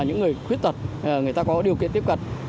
những người khuyết tật người ta có điều kiện tiếp cận